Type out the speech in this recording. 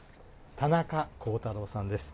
田中耕太朗さんです。